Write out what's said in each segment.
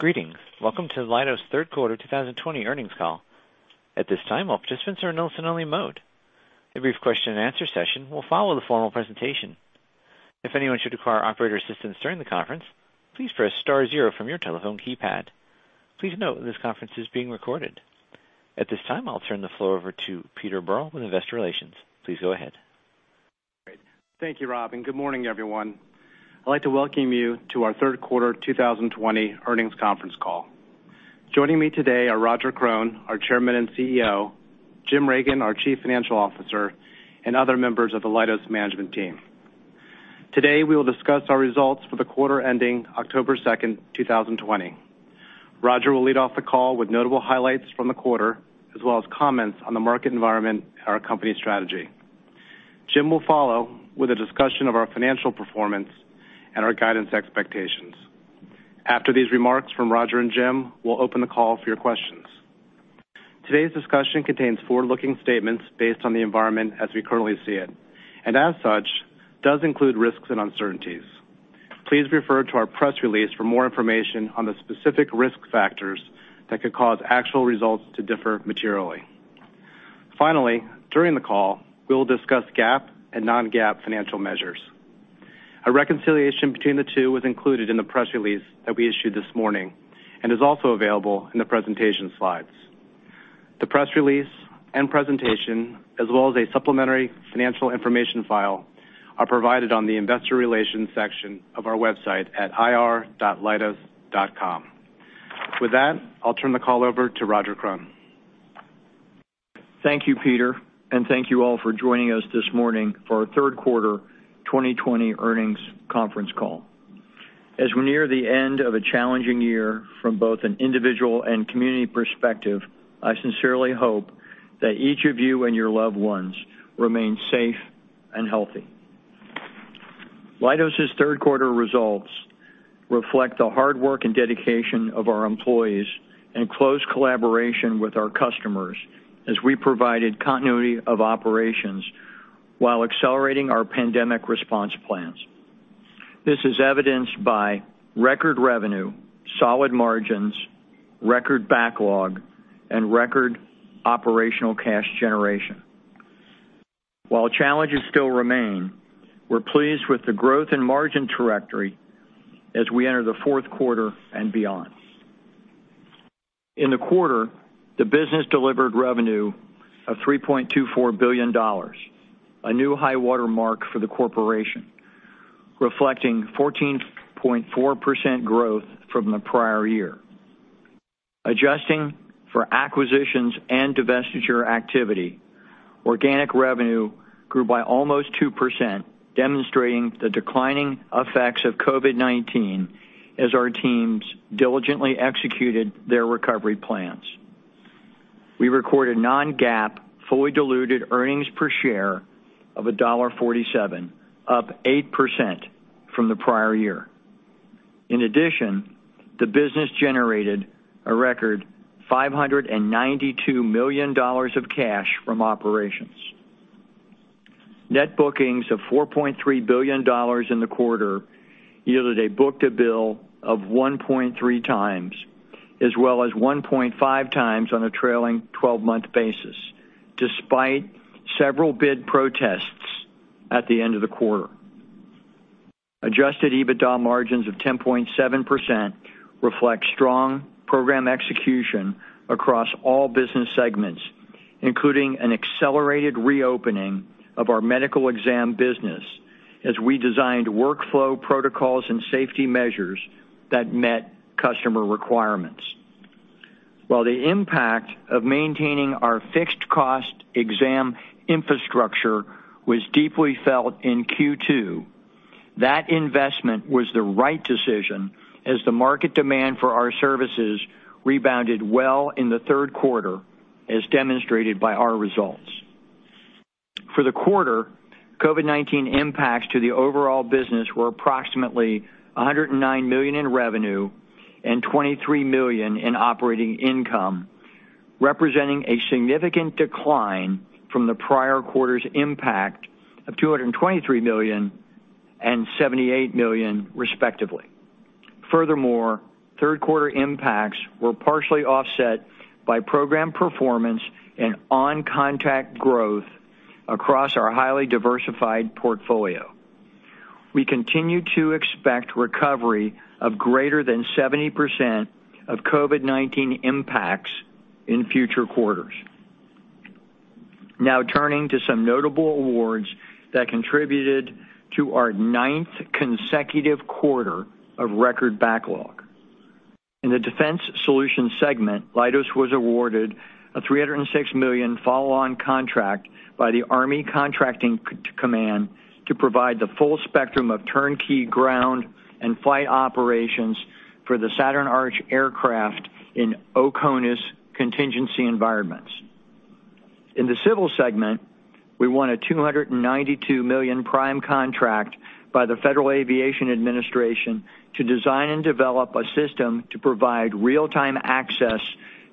Greetings. Welcome to Leidos Q3 2020 earnings call. At this time, all participants are in listen-only mode. A brief question-and-answer session will follow the formal presentation. If anyone should require operator assistance during the conference, please press star zero from your telephone keypad. Please note that this conference is being recorded. At this time, I'll turn the floor over to Peter Berl with investor relations. Please go ahead. Thank you, Rob, and good morning, everyone. I'd like to welcome you to our Q3 2020 Earnings Conference Call. Joining me today are Roger Krone, our Chairman and CEO; Jim Reagan, our Chief Financial Officer; and other members of the Leidos management team. Today, we will discuss our results for the quarter ending 2 October 2020. Roger will lead off the call with notable highlights from the quarter, as well as comments on the market environment and our company strategy. Jim will follow with a discussion of our financial performance and our guidance expectations. After these remarks from Roger and Jim, we'll open the call for your questions. Today's discussion contains forward-looking statements based on the environment as we currently see it, and as such, does include risks and uncertainties. Please refer to our press release for more information on the specific risk factors that could cause actual results to differ materially. Finally, during the call, we will discuss GAAP and non-GAAP financial measures. A reconciliation between the two was included in the press release that we issued this morning and is also available in the presentation slides. The press release and presentation, as well as a supplementary financial information file, are provided on the investor relations section of our website at ir.leidos.com. With that, I'll turn the call over to Roger Krone. Thank you, Peter, and thank you all for joining us this morning for our Q3 2020 Earnings Conference Call. As we near the end of a challenging year from both an individual and community perspective, I sincerely hope that each of you and your loved ones remain safe and healthy. Leidos's Q3 results reflect the hard work and dedication of our employees and close collaboration with our customers as we provided continuity of operations while accelerating our pandemic response plans. This is evidenced by record revenue, solid margins, record backlog, and record operational cash generation. While challenges still remain, we're pleased with the growth in margin trajectory as we enter the Q4 and beyond. In the quarter, the business delivered revenue of $3.24 billion, a new high watermark for the corporation, reflecting 14.4% growth from the prior year. Adjusting for acquisitions and divestiture activity, organic revenue grew by almost 2%, demonstrating the declining effects of COVID-19 as our teams diligently executed their recovery plans. We recorded non-GAAP, fully diluted earnings per share of $1.47, up 8% from the prior year. In addition, the business generated a record $592 million of cash from operations. Net bookings of $4.3 billion in the quarter yielded a book-to-bill of 1.3x, as well as 1.5x on a trailing 12-month basis, despite several bid protests at the end of the quarter. Adjusted EBITDA margins of 10.7% reflect strong program execution across all business segments, including an accelerated reopening of our medical exam business as we designed workflow protocols and safety measures that met customer requirements. While the impact of maintaining our fixed-cost exam infrastructure was deeply felt in Q2, that investment was the right decision as the market demand for our services rebounded well in the Q3, as demonstrated by our results. For the quarter, COVID-19 impacts to the overall business were approximately $109 million in revenue and $23 million in operating income, representing a significant decline from the prior quarter's impact of $223 million and $78 million, respectively. Furthermore, Q3 impacts were partially offset by program performance and on-contract growth across our highly diversified portfolio. We continue to expect recovery of greater than 70% of COVID-19 impacts in future quarters. Now turning to some notable awards that contributed to our ninth consecutive quarter of record backlog. In the Defense Solution segment, Leidos was awarded a $306 million follow-on contract by the Army Contracting Command to provide the full spectrum of turnkey ground and flight operations for the Saturn Arch aircraft in OCONUS contingency environments. In the civil segment, we won a $292 million prime contract by the Federal Aviation Administration to design and develop a system to provide real-time access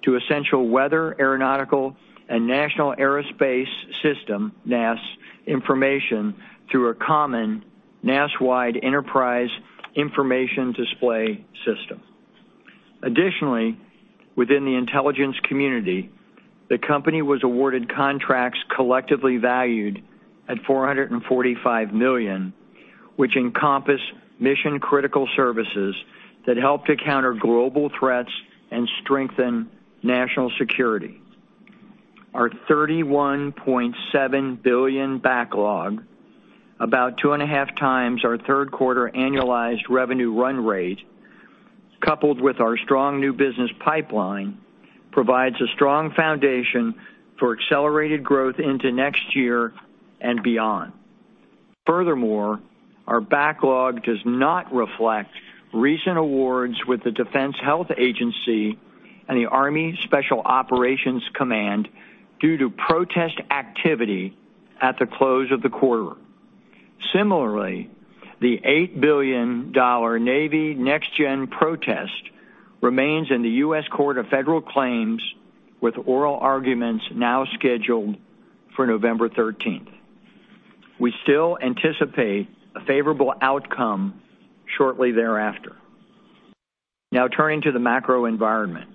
to essential weather, aeronautical, and national aerospace system NAS information through a common NAS-wide enterprise information display system. Additionally, within the intelligence community, the company was awarded contracts collectively valued at $445 million, which encompass mission-critical services that help to counter global threats and strengthen national security. Our $31.7 billion backlog, about 2.5x our Q3 annualized revenue run rate, coupled with our strong new business pipeline, provides a strong foundation for accelerated growth into next year and beyond. Furthermore, our backlog does not reflect recent awards with the Defense Health Agency and the Army Special Operations Command due to protest activity at the close of the quarter. Similarly, the $8 billion Navy NextGen protest remains in the U.S. Court of Federal Claims with oral arguments now scheduled for 13 November. We still anticipate a favorable outcome shortly thereafter. Now turning to the macro environment,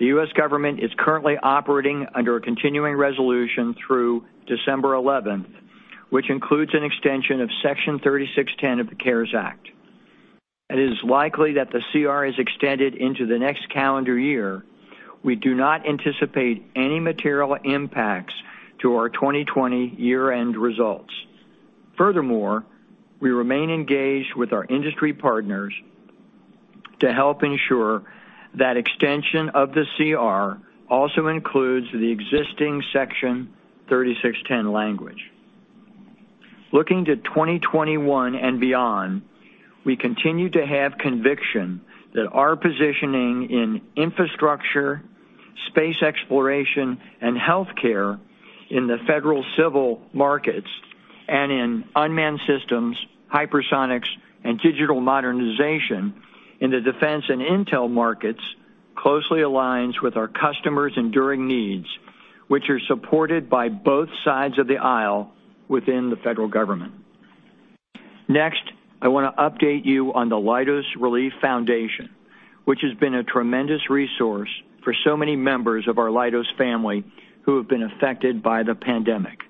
the U.S. government is currently operating under a continuing resolution through 11 December, which includes an extension of Section 3610 of the CARES Act. It is likely that the CR is extended into the next calendar year. We do not anticipate any material impacts to our 2020 year-end results. Furthermore, we remain engaged with our industry partners to help ensure that extension of the CR also includes the existing Section 3610 language. Looking to 2021 and beyond, we continue to have conviction that our positioning in infrastructure, space exploration, and healthcare in the federal civil markets and in unmanned systems, hypersonics, and digital modernization in the defense and intel markets closely aligns with our customers' enduring needs, which are supported by both sides of the aisle within the federal government. Next, I want to update you on the Leidos Relief Foundation, which has been a tremendous resource for so many members of our Leidos family who have been affected by the pandemic.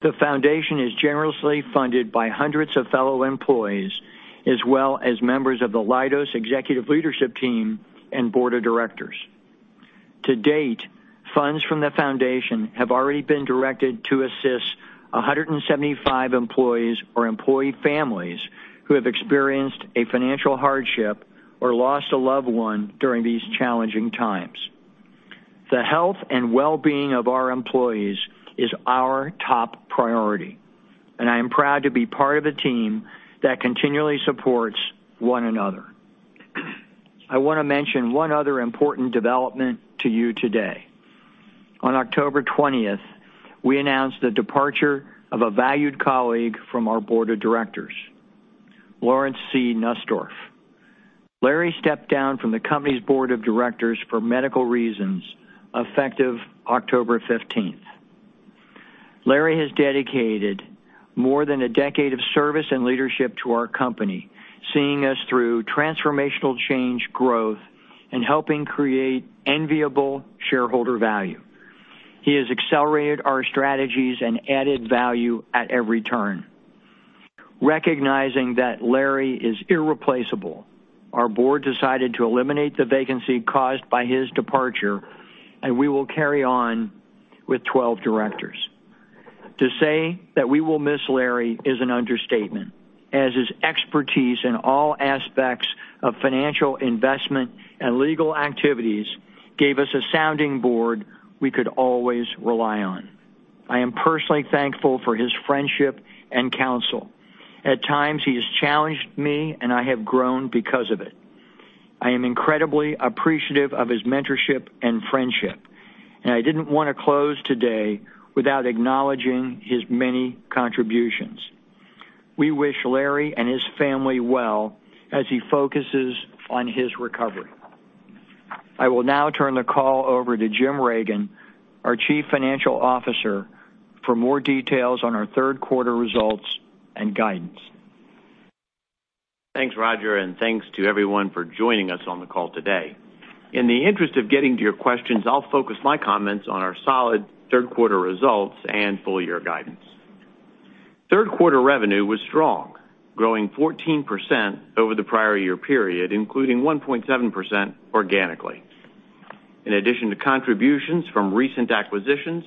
The foundation is generously funded by hundreds of fellow employees, as well as members of the Leidos executive leadership team and board of directors. To date, funds from the foundation have already been directed to assist 175 employees or employee families who have experienced a financial hardship or lost a loved one during these challenging times. The health and well-being of our employees is our top priority, and I am proud to be part of a team that continually supports one another. I want to mention one other important development to you today. On October 20th, we announced the departure of a valued colleague from our board of directors, Lawrence C. Nussdorf. Larry stepped down from the company's board of directors for medical reasons effective 15 October. Larry has dedicated more than a decade of service and leadership to our company, seeing us through transformational change growth and helping create enviable shareholder value. He has accelerated our strategies and added value at every turn. Recognizing that Larry is irreplaceable, our board decided to eliminate the vacancy caused by his departure, and we will carry on with 12 directors. To say that we will miss Larry is an understatement, as his expertise in all aspects of financial investment and legal activities gave us a sounding board we could always rely on. I am personally thankful for his friendship and counsel. At times, he has challenged me, and I have grown because of it. I am incredibly appreciative of his mentorship and friendship, and I did not want to close today without acknowledging his many contributions. We wish Larry and his family well as he focuses on his recovery. I will now turn the call over to Jim Reagan, our Chief Financial Officer, for more details on our Q3 results and guidance. Thanks, Roger, and thanks to everyone for joining us on the call today. In the interest of getting to your questions, I'll focus my comments on our solid Q3 results and full-year guidance. Q3 revenue was strong, growing 14% over the prior year period, including 1.7% organically. In addition to contributions from recent acquisitions,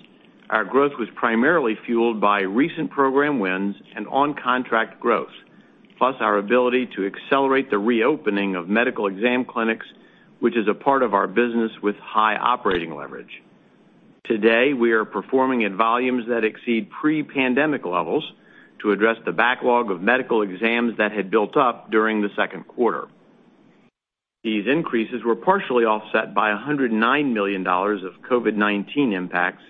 our growth was primarily fueled by recent program wins and on-contract growth, plus our ability to accelerate the reopening of medical exam clinics, which is a part of our business with high operating leverage. Today, we are performing at volumes that exceed pre-pandemic levels to address the backlog of medical exams that had built up during the Q2. These increases were partially offset by $109 million of COVID-19 impacts,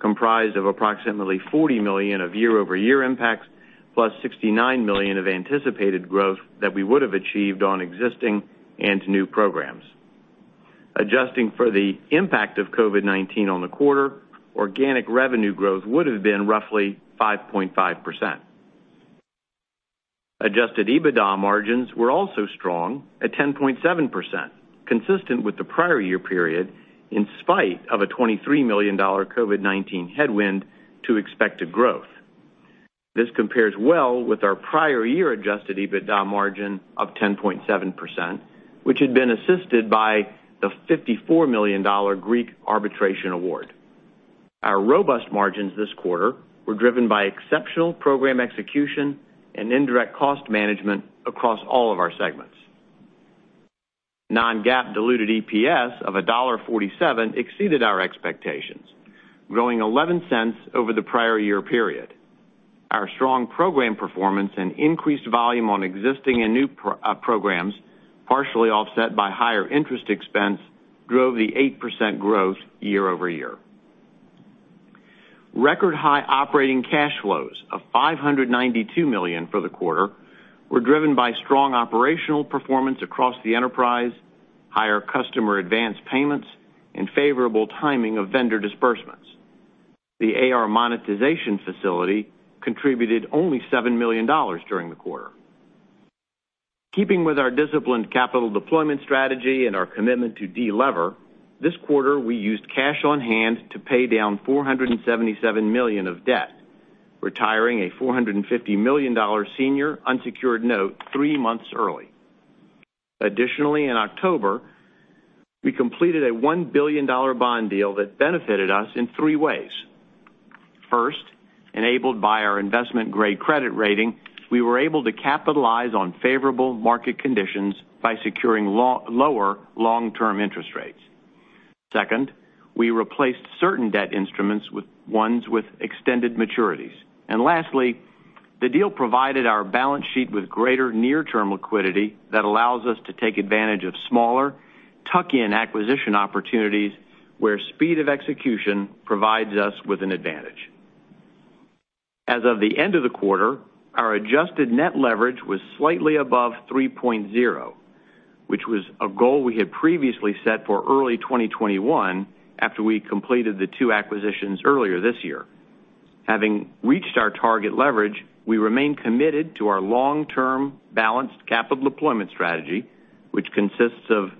comprised of approximately $40 million of year-over-year impacts, plus $69 million of anticipated growth that we would have achieved on existing and new programs. Adjusting for the impact of COVID-19 on the quarter, organic revenue growth would have been roughly 5.5%. Adjusted EBITDA margins were also strong, at 10.7%, consistent with the prior year period in spite of a $23 million COVID-19 headwind to expected growth. This compares well with our prior year adjusted EBITDA margin of 10.7%, which had been assisted by the $54 million Greek arbitration award. Our robust margins this quarter were driven by exceptional program execution and indirect cost management across all of our segments. Non-GAAP diluted EPS of $1.47 exceeded our expectations, growing $0.11 over the prior year period. Our strong program performance and increased volume on existing and new programs, partially offset by higher interest expense, drove the 8% growth year-over-year. Record-high operating cash flows of $592 million for the quarter were driven by strong operational performance across the enterprise, higher customer advance payments, and favorable timing of vendor disbursements. The AR monetization facility contributed only $7 million during the quarter. Keeping with our disciplined capital deployment strategy and our commitment to de-lever, this quarter we used cash on hand to pay down $477 million of debt, retiring a $450 million senior unsecured note three months early. Additionally, in October, we completed a $1 billion bond deal that benefited us in three ways. First, enabled by our investment-grade credit rating, we were able to capitalize on favorable market conditions by securing lower long-term interest rates. Second, we replaced certain debt instruments with ones with extended maturities. Lastly, the deal provided our balance sheet with greater near-term liquidity that allows us to take advantage of smaller tuck-in acquisition opportunities where speed of execution provides us with an advantage. As of the end of the quarter, our adjusted net leverage was slightly above 3.0, which was a goal we had previously set for early 2021 after we completed the two acquisitions earlier this year. Having reached our target leverage, we remain committed to our long-term balanced capital deployment strategy, which consists of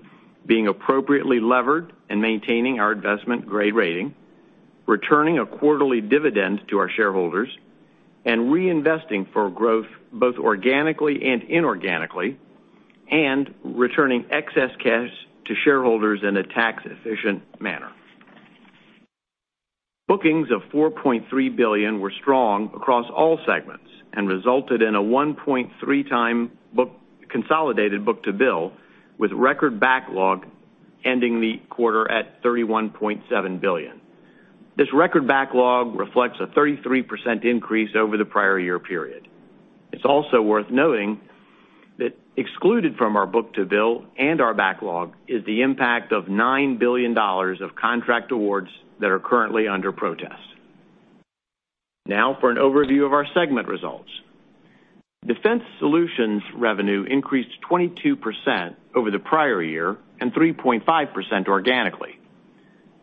being appropriately levered and maintaining our investment-grade rating, returning a quarterly dividend to our shareholders, and reinvesting for growth both organically and inorganically, and returning excess cash to shareholders in a tax-efficient manner. Bookings of $4.3 billion were strong across all segments and resulted in a 1.3x consolidated book-to-bill, with record backlog ending the quarter at $31.7 billion. This record backlog reflects a 33% increase over the prior year period. It's also worth noting that excluded from our book-to-bill and our backlog is the impact of $9 billion of contract awards that are currently under protest. Now for an overview of our segment results. Defense Solutions revenue increased 22% over the prior year and 3.5% organically.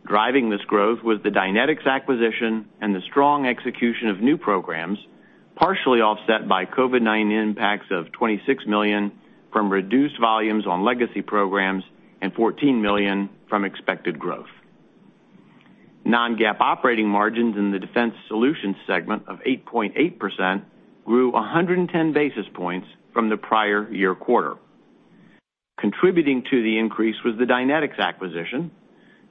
Driving this growth was the Dynetics acquisition and the strong execution of new programs, partially offset by COVID-19 impacts of $26 million from reduced volumes on legacy programs and $14 million from expected growth. Non-GAAP operating margins in the Defense Solutions segment of 8.8% grew 110 basis points from the prior year quarter. Contributing to the increase was the Dynetics acquisition,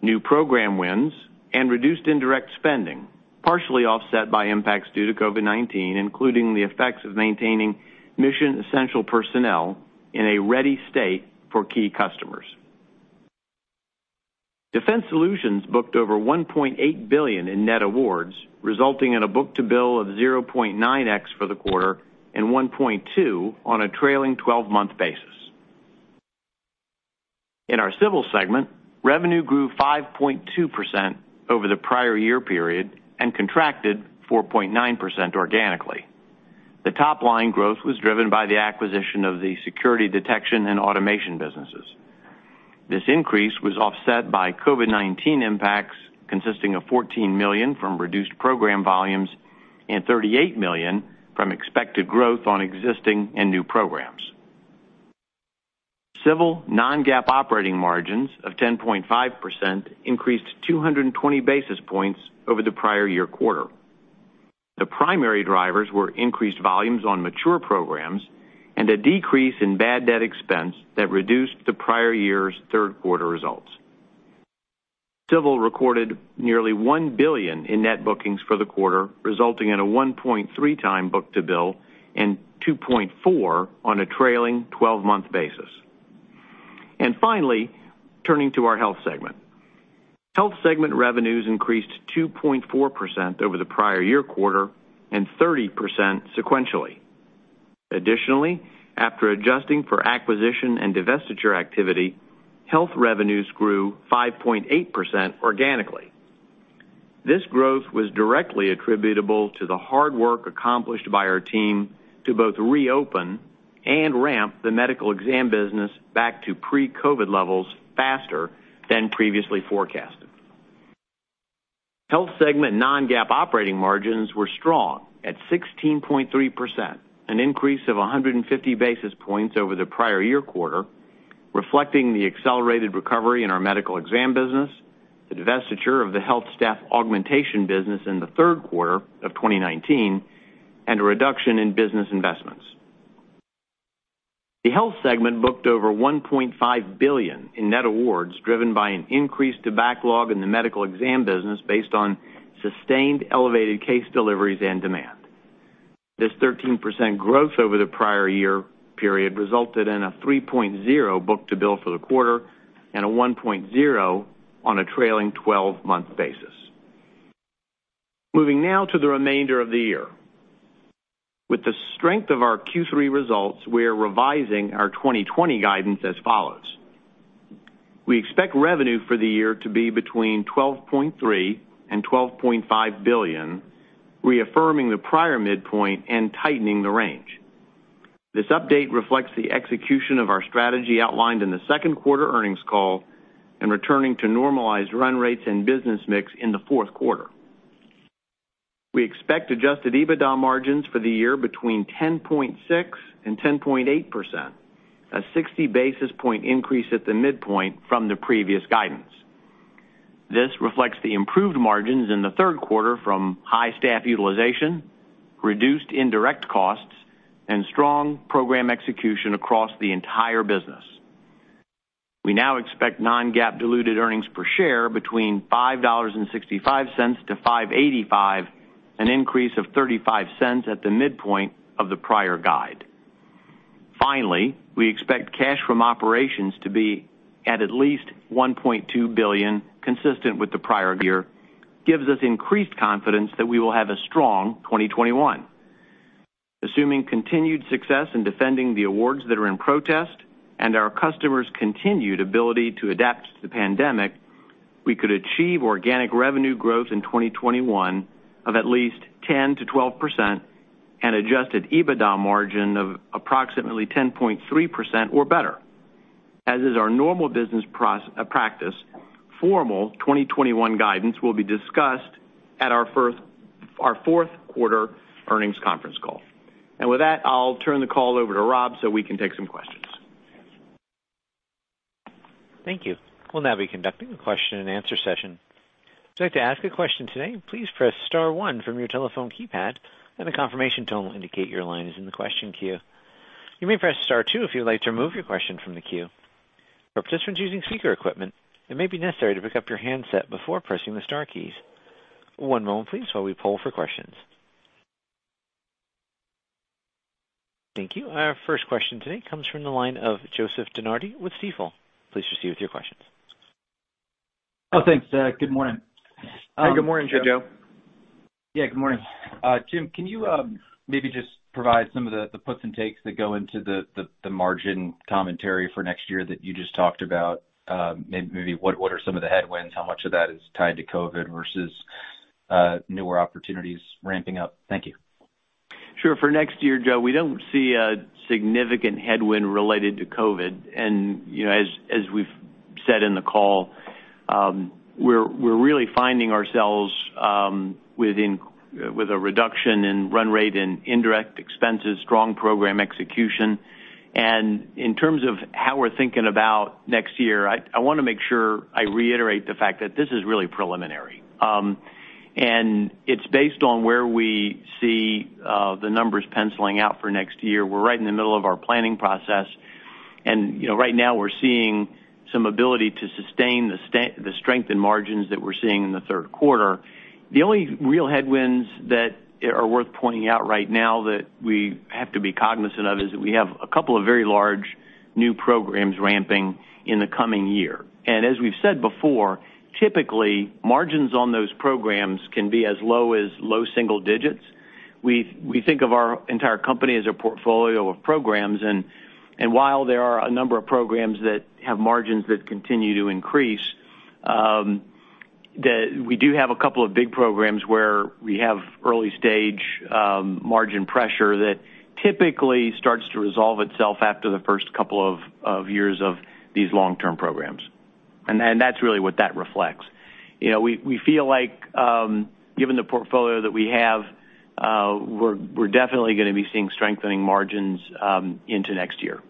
new program wins, and reduced indirect spending, partially offset by impacts due to COVID-19, including the effects of maintaining mission-essential personnel in a ready state for key customers. Defense Solutions booked over $1.8 billion in net awards, resulting in a book-to-bill of 0.9x for the quarter and 1.2 on a trailing 12-month basis. In our civil segment, revenue grew 5.2% over the prior year period and contracted 4.9% organically. The top-line growth was driven by the acquisition of the Security Detection and Automation businesses. This increase was offset by COVID-19 impacts consisting of $14 million from reduced program volumes and $38 million from expected growth on existing and new programs. Civil non-GAAP operating margins of 10.5% increased 220 basis points over the prior year quarter. The primary drivers were increased volumes on mature programs and a decrease in bad debt expense that reduced the prior year's Q3 results. Civil recorded nearly $1 billion in net bookings for the quarter, resulting in a 1.3x book-to-bill and 2.4 on a trailing 12-month basis. Finally, turning to our health segment. Health segment revenues increased 2.4% over the prior year quarter and 30% sequentially. Additionally, after adjusting for acquisition and divestiture activity, health revenues grew 5.8% organically. This growth was directly attributable to the hard work accomplished by our team to both reopen and ramp the medical exam business back to pre-COVID levels faster than previously forecasted. Health segment non-GAAP operating margins were strong at 16.3%, an increase of 150 basis points over the prior year quarter, reflecting the accelerated recovery in our medical exam business, the divestiture of the health staff augmentation business in the Q3 of 2019, and a reduction in business investments. The health segment booked over $1.5 billion in net awards driven by an increase to backlog in the medical exam business based on sustained elevated case deliveries and demand. This 13% growth over the prior year period resulted in a 3.0 book-to-bill for the quarter and a 1.0 on a trailing 12-month basis. Moving now to the remainder of the year. With the strength of our Q3 results, we are revising our 2020 guidance as follows. We expect revenue for the year to be between $12.3 billion and $12.5 billion, reaffirming the prior midpoint and tightening the range. This update reflects the execution of our strategy outlined in the Q2 earnings call and returning to normalized run rates and business mix in the Q4. We expect adjusted EBITDA margins for the year between 10.6% and 10.8%, a 60 basis point increase at the midpoint from the previous guidance. This reflects the improved margins in the Q3 from high staff utilization, reduced indirect costs, and strong program execution across the entire business. We now expect non-GAAP diluted earnings per share between $5.65 to 5.85, an increase of $0.35 at the midpoint of the prior guide. Finally, we expect cash from operations to be at least $1.2 billion, consistent with the prior year, gives us increased confidence that we will have a strong 2021. Assuming continued success in defending the awards that are in protest and our customers' continued ability to adapt to the pandemic, we could achieve organic revenue growth in 2021 of at least 10% to 12% and adjusted EBITDA margin of approximately 10.3% or better. As is our normal business practice, formal 2021 guidance will be discussed at our Q4 earnings conference call. With that, I'll turn the call over to Rob so we can take some questions. Thank you. We'll now be conducting a question-and-answer session. If you'd like to ask a question today, please press star one from your telephone keypad, and a confirmation tone will indicate your line is in the question queue. You may press star two if you'd like to remove your question from the queue. For participants using speaker equipment, it may be necessary to pick up your handset before pressing the star keys. One moment, please, while we pull for questions. Thank you. Our first question today comes from the line of Joseph DeNardi with Stifel. Please proceed with your questions. Oh, thanks. Good morning. Hi. Good morning, Joe. Hey, Joe. Yeah. Good morning. Jim, can you maybe just provide some of the puts and takes that go into the margin commentary for next year that you just talked about? Maybe what are some of the headwinds? How much of that is tied to COVID versus newer opportunities ramping up? Thank you. Sure. For next year, Joe, we do not see a significant headwind related to COVID. You know, as we have said in the call, we are really finding ourselves with a reduction in run rate and indirect expenses, strong program execution. In terms of how we are thinking about next year, I want to make sure I reiterate the fact that this is really preliminary, and it is based on where we see the numbers penciling out for next year. We are right in the middle of our planning process. You know, right now we are seeing some ability to sustain the strength in margins that we are seeing in the Q3. The only real headwinds that are worth pointing out right now that we have to be cognizant of is that we have a couple of very large new programs ramping in the coming year. As we've said before, typically, margins on those programs can be as low as low single digits. We think of our entire company as a portfolio of programs. While there are a number of programs that have margins that continue to increase, we do have a couple of big programs where we have early-stage margin pressure that typically starts to resolve itself after the first couple of years of these long-term programs. That's really what that reflects. You know, we feel like, given the portfolio that we have, we're definitely going to be seeing strengthening margins into next year.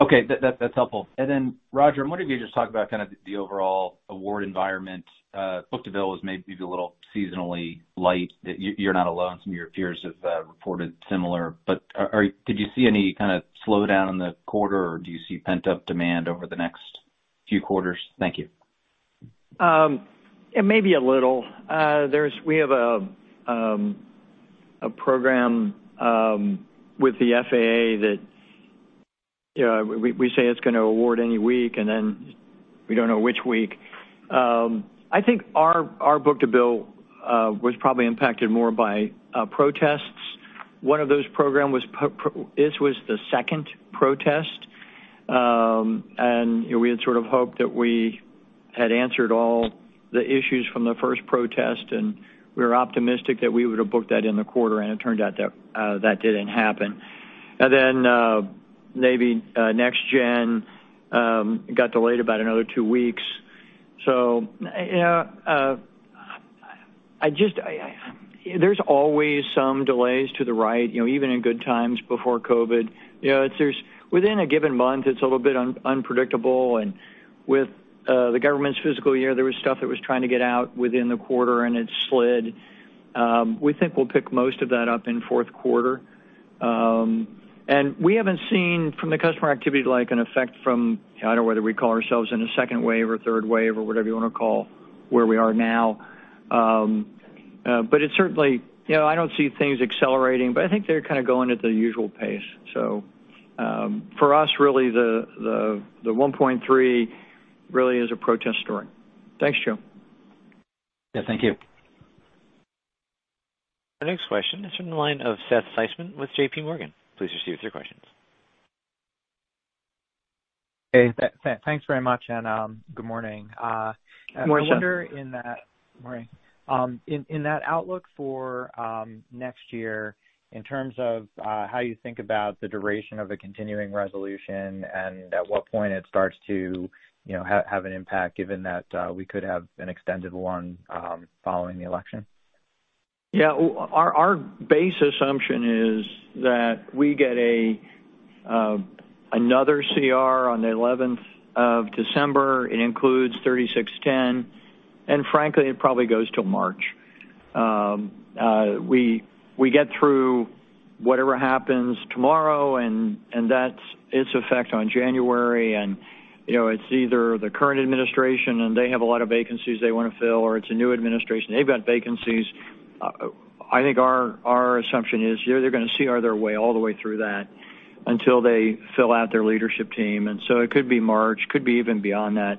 Okay. That's helpful. Then, Roger, I'm wondering if you'd just talk about kind of the overall award environment. Book-to-bill was maybe a little seasonally light. You're not alone. Some of your peers have reported similar. Are you—did you see any kind of slowdown in the quarter, or do you see pent-up demand over the next few quarters? Thank you. It may be a little. There's—we have a program with the FAA that, you know, we say it's going to award any week, and then we don't know which week. I think our book-to-bill was probably impacted more by protests. One of those programs was pro—this was the second protest. And, you know, we had sort of hoped that we had answered all the issues from the first protest, and we were optimistic that we would have booked that in the quarter, and it turned out that that didn't happen. And then, maybe, NextGen got delayed about another two weeks. You know, I just—there's always some delays to the right, you know, even in good times before COVID. You know, within a given month, it's a little bit unpredictable. With the government's fiscal year, there was stuff that was trying to get out within the quarter, and it slid. We think we'll pick most of that up in Q4. We haven't seen from the customer activity, like, an effect from, I don't know whether we call ourselves in a second wave or third wave or whatever you want to call where we are now. It's certainly, you know, I don't see things accelerating, but I think they're kind of going at the usual pace. For us, really, the 1.3 really is a protest story. Thanks, Joe. Yeah. Thank you. Our next question is from the line of Seth Seifman with JPMorgan. Please proceed with your questions. Hey, thanks very much, and good morning. Morning, Seth. I wonder in that—morning. In that outlook for next year, in terms of how you think about the duration of a continuing resolution and at what point it starts to, you know, have an impact given that we could have an extended one following the election? Yeah. Our base assumption is that we get another CR on the 11th of December. It includes 3610, and frankly, it probably goes till March. We get through whatever happens tomorrow, and that's its effect on January. You know, it's either the current administration, and they have a lot of vacancies they want to fill, or it's a new administration. They've got vacancies. I think our assumption is, you know, they're going to see out of their way all the way through that until they fill out their leadership team. It could be March, could be even beyond that.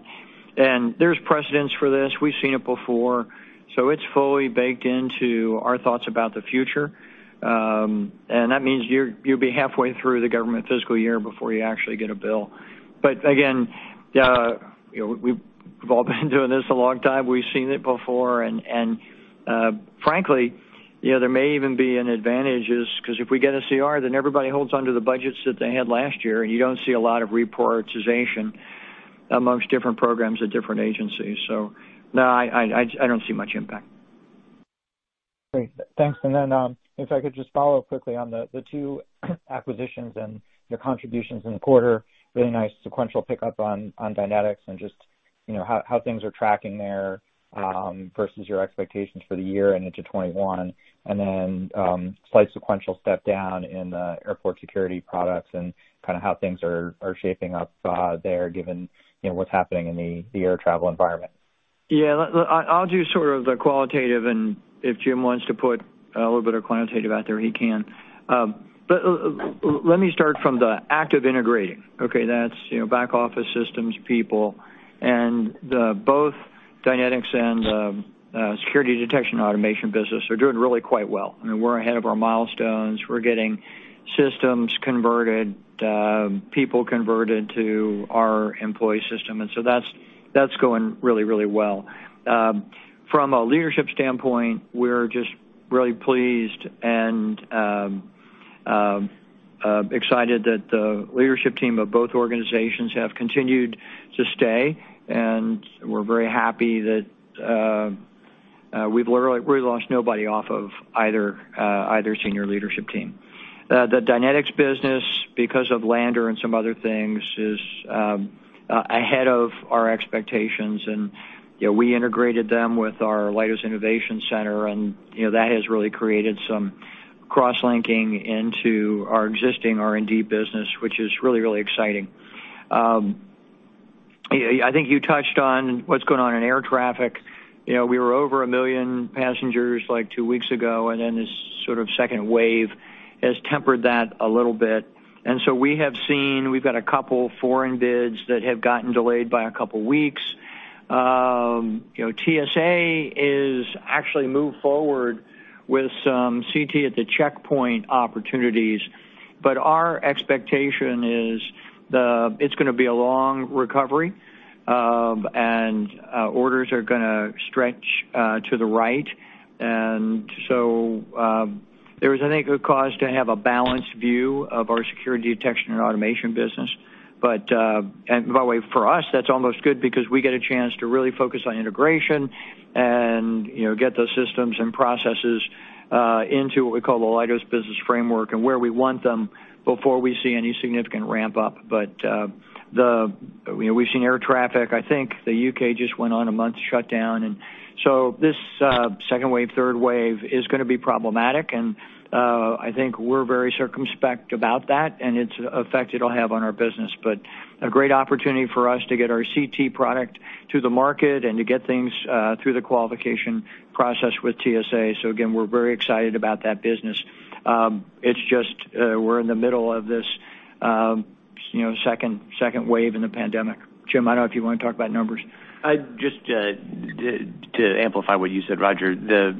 There are precedents for this. We've seen it before. It's fully baked into our thoughts about the future, and that means you'll be halfway through the government fiscal year before you actually get a bill. Again, you know, we've all been doing this a long time. We've seen it before. Frankly, you know, there may even be an advantage is because if we get a CR, then everybody holds onto the budgets that they had last year, and you don't see a lot of reprioritization amongst different programs at different agencies. No, I don't see much impact. Great. Thanks. If I could just follow up quickly on the two acquisitions and your contributions in the quarter, really nice sequential pickup on Dynetics and just, you know, how things are tracking there, versus your expectations for the year and into 2021. Then, slight sequential step down in the airport security products and kind of how things are shaping up there given, you know, what's happening in the air travel environment. Yeah. Look, I'll do sort of the qualitative, and if Jim wants to put a little bit of quantitative out there, he can. Let me start from the active integrating. Okay. That's, you know, back office systems people. And both Dynetics and the Security Detection and Automation business are doing really quite well. I mean, we're ahead of our milestones. We're getting systems converted, people converted to our employee system. And so that's going really, really well. From a leadership standpoint, we're just really pleased and excited that the leadership team of both organizations have continued to stay. We're very happy that we've literally—we lost nobody off of either senior leadership team. The Dynetics business, because of Lander and some other things, is ahead of our expectations. And, you know, we integrated them with our Leidos Innovation Center. And, you know, that has really created some cross-linking into our existing R&D business, which is really, really exciting. You know, I think you touched on what's going on in air traffic. You know, we were over a million passengers like two weeks ago, and then this sort of second wave has tempered that a little bit. We've got a couple foreign bids that have gotten delayed by a couple weeks. You know, TSA has actually moved forward with some CT at the checkpoint opportunities. Our expectation is, it's going to be a long recovery, and orders are going to stretch to the right. There is, I think, a cause to have a balanced view of our Security Detection and Automation business. By the way, for us, that's almost good because we get a chance to really focus on integration and, you know, get those systems and processes into what we call the Leidos business framework and where we want them before we see any significant ramp-up. We've seen air traffic. I think the U.K. just went on a month's shutdown. This second wave, third wave is going to be problematic. I think we're very circumspect about that and its effect it'll have on our business. A great opportunity for us to get our CT product to the market and to get things through the qualification process with TSA. Again, we're very excited about that business. It's just, we're in the middle of this, you know, second wave in the pandemic. Jim, I don't know if you want to talk about numbers. Just to amplify what you said, Roger, the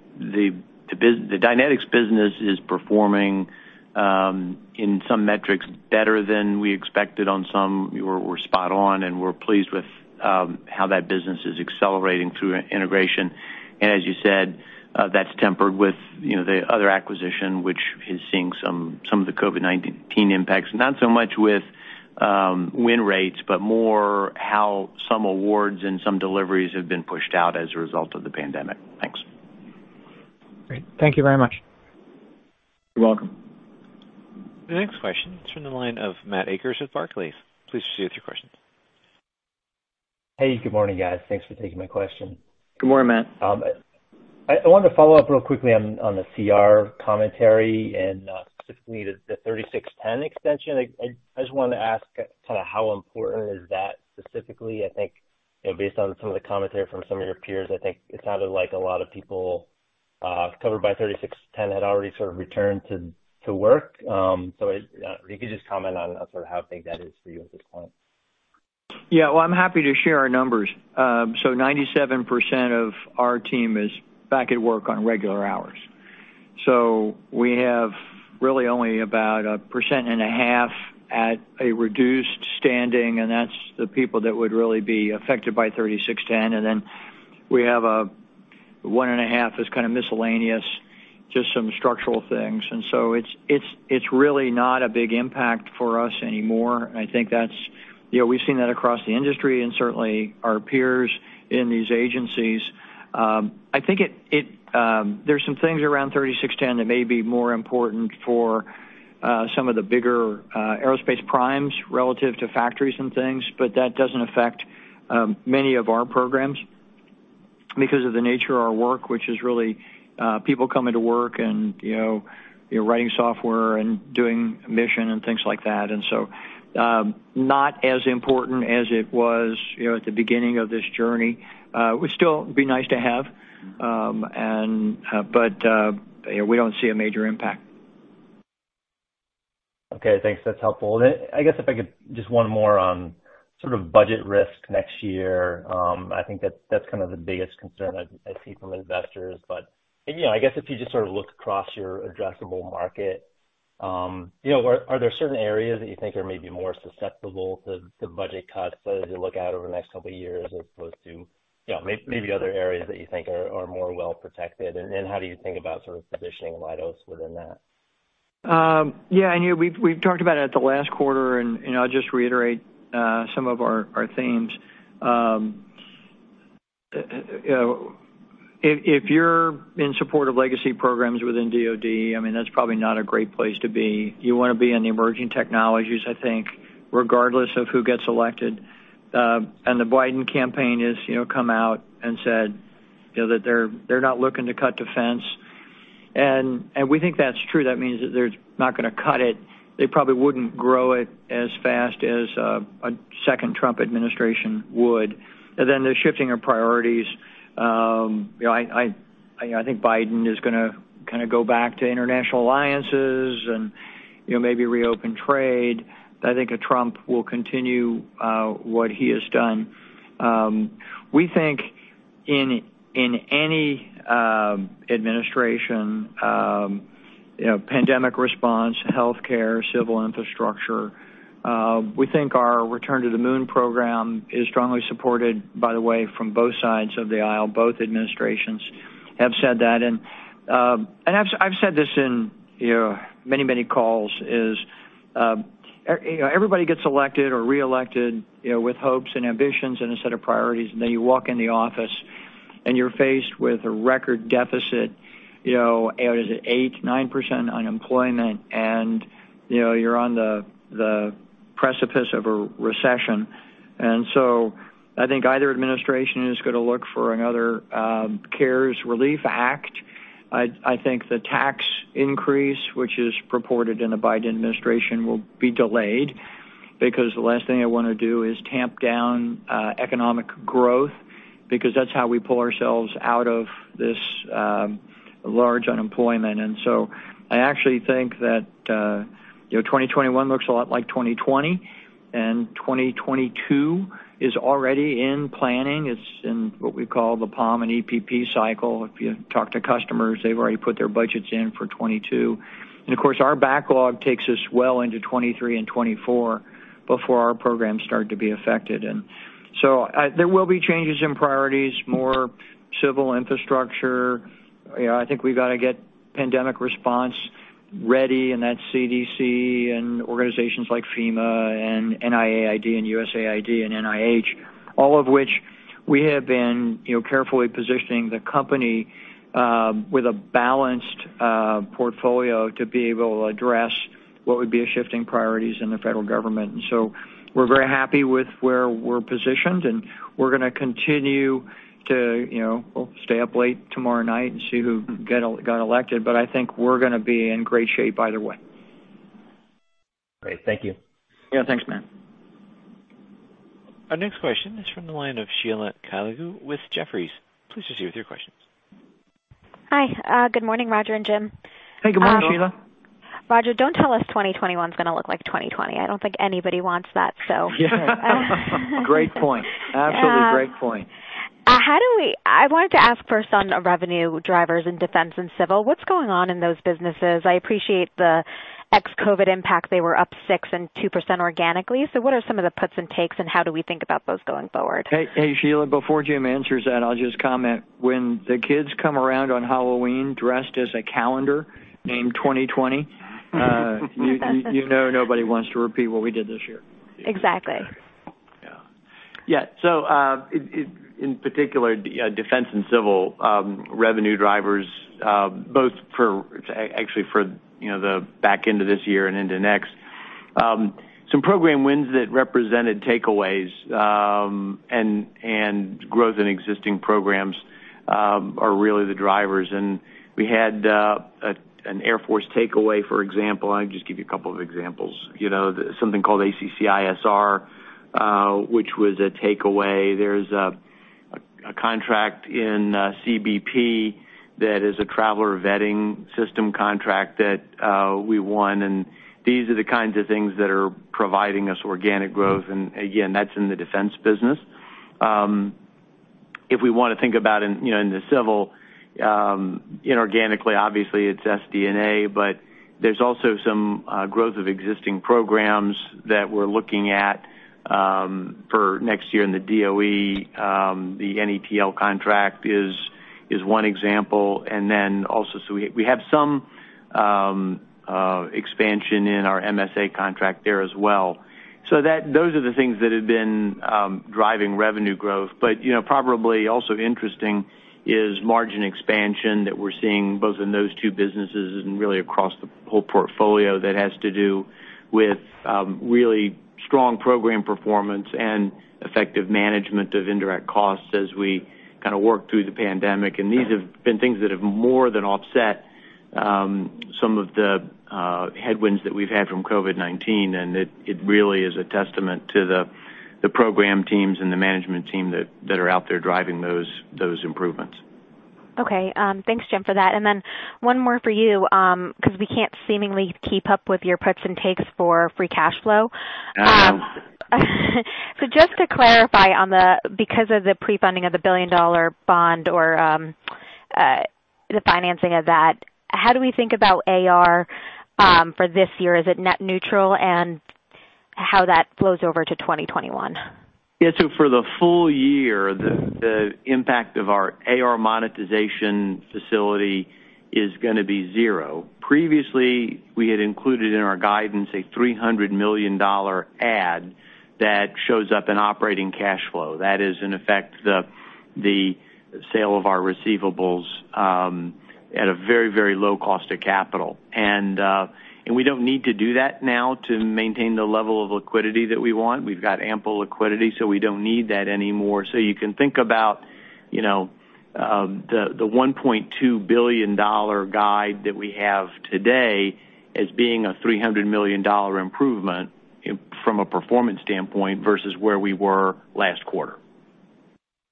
Dynetics business is performing, in some metrics, better than we expected on some. We're spot on, and we're pleased with how that business is accelerating through integration. As you said, that's tempered with, you know, the other acquisition, which is seeing some of the COVID-19 impacts, not so much with win rates, but more how some awards and some deliveries have been pushed out as a result of the pandemic. Thanks. Great. Thank you very much. You're welcome. The next question is from the line of Matt Akers with Barclays. Please proceed with your questions. Hey, good morning, guys. Thanks for taking my question. Good morning, Matt. I wanted to follow up real quickly on the CR commentary and specifically the 3610 extension. I just wanted to ask kind of how important is that specifically? I think, you know, based on some of the commentary from some of your peers, I think it sounded like a lot of people covered by 3610 had already sort of returned to work. If you could just comment on sort of how big that is for you at this point. Yeah. I'm happy to share our numbers. Ninety-seven percent of our team is back at work on regular hours. We have really only about 1.5% at a reduced standing, and that's the people that would really be affected by 3610. Then we have a 1.5% that's kind of miscellaneous, just some structural things. It's really not a big impact for us anymore. I think that's, you know, we've seen that across the industry and certainly our peers in these agencies. I think there are some things around 3610 that may be more important for some of the bigger aerospace primes relative to factories and things. That does not affect many of our programs because of the nature of our work, which is really people coming to work and, you know, writing software and doing mission and things like that. Not as important as it was, you know, at the beginning of this journey. It would still be nice to have, but, you know, we do not see a major impact. Okay. Thanks. That's helpful. I guess if I could just one more on sort of budget risk next year. I think that that's kind of the biggest concern I see from investors. You know, I guess if you just sort of look across your addressable market, are there certain areas that you think are maybe more susceptible to budget cuts as you look out over the next couple of years as opposed to, you know, maybe other areas that you think are more well protected? How do you think about sort of positioning Leidos within that? Yeah. And, you know, we've talked about it at the last quarter. And, you know, I'll just reiterate some of our themes. You know, if you're in support of legacy programs within DOD, I mean, that's probably not a great place to be. You want to be in the emerging technologies, I think, regardless of who gets elected. The Biden campaign has, you know, come out and said, you know, that they're not looking to cut defense. And we think that's true. That means that they're not going to cut it. They probably wouldn't grow it as fast as a second Trump administration would. They're shifting our priorities. You know, I think Biden is going to kind of go back to international alliances and, you know, maybe reopen trade. I think Trump will continue what he has done. We think in any administration, you know, pandemic response, healthcare, civil infrastructure, we think our return to the moon program is strongly supported, by the way, from both sides of the aisle. Both administrations have said that. I've said this in many, many calls, you know, everybody gets elected or reelected, you know, with hopes and ambitions and a set of priorities. Then you walk in the office, and you're faced with a record deficit, you know, is 8% to 9% unemployment. You know, you're on the precipice of a recession. I think either administration is going to look for another CARES relief act. I think the tax increase, which is purported in the Biden administration, will be delayed because the last thing I want to do is tamp down economic growth because that's how we pull ourselves out of this large unemployment. I actually think that, you know, 2021 looks a lot like 2020, and 2022 is already in planning. It's in what we call the POM and EPP cycle. If you talk to customers, they've already put their budgets in for 2022. Of course, our backlog takes us well into 2023 and 2024 before our programs start to be affected. There will be changes in priorities, more civil infrastructure. You know, I think we've got to get pandemic response ready, and that's CDC and organizations like FEMA and NIAID and USAID and NIH, all of which we have been, you know, carefully positioning the company, with a balanced portfolio to be able to address what would be a shifting priorities in the federal government. We are very happy with where we're positioned. We're going to continue to, you know, stay up late tomorrow night and see who got elected. I think we're going to be in great shape either way. Great. Thank you. Yeah. Thanks, Matt. Our next question is from the line of Sheila Kahyaoglu with Jefferies. Please proceed with your questions. Hi. Good morning, Roger and Jim. Hey, good morning, Sheila. Roger, don't tell us 2021's going to look like 2020. I don't think anybody wants that, so. Yeah. Great point. Absolutely great point. I wanted to ask first on revenue drivers in defense and civil. What's going on in those businesses? I appreciate the ex-COVID impact. They were up 6% and 2% organically. What are some of the puts and takes, and how do we think about those going forward? Hey, Sheila, before Jim answers that, I'll just comment. When the kids come around on Halloween dressed as a calendar named 2020, you know nobody wants to repeat what we did this year. Exactly. Yeah. In particular, defense and civil revenue drivers, both actually for, you know, the back end of this year and into next, some program wins that represented takeaways, and growth in existing programs, are really the drivers. We had an Air Force takeaway, for example. I'll just give you a couple of examples. You know, something called ACC ISR, which was a takeaway. There's a contract in CBP that is a traveler vetting system contract that we won. These are the kinds of things that are providing us organic growth. Again, that's in the defense business. If we want to think about it in, you know, in the civil, inorganically, obviously, it's SD&A. There's also some growth of existing programs that we're looking at for next year in the DOE. The NETL contract is one example. We have some expansion in our MSA contract there as well. Those are the things that have been driving revenue growth. You know, probably also interesting is margin expansion that we're seeing both in those two businesses and really across the whole portfolio. That has to do with really strong program performance and effective management of indirect costs as we kind of work through the pandemic. These have been things that have more than offset some of the headwinds that we've had from COVID-19. It really is a testament to the program teams and the management team that are out there driving those improvements. Okay. Thanks, Jim, for that. And then one more for you, because we can't seemingly keep up with your puts and takes for free cash flow. Just to clarify on the because of the pre-funding of the billion-dollar bond or, the financing of that, how do we think about AR for this year? Is it net neutral and how that flows over to 2021? Yeah. For the full year, the impact of our AR monetization facility is going to be zero. Previously, we had included in our guidance a $300 million add that shows up in operating cash flow. That is, in effect, the sale of our receivables, at a very, very low cost of capital. We do not need to do that now to maintain the level of liquidity that we want. We have ample liquidity, so we do not need that anymore. You can think about the $1.2 billion guide that we have today as being a $300 million improvement from a performance standpoint versus where we were last quarter.